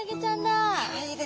かわいいですね。